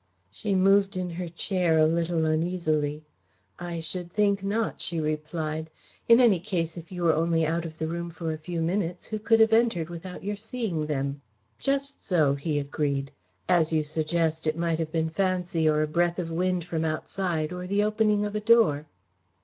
She moved in her chair a little uneasily. "I should think not," she replied. "In any case, if you were only out of the room for a few minutes, who could have entered without your seeing them?" "Just so," he agreed. "As you suggest, it might have been fancy, or a breath of wind from outside, or the opening of a door."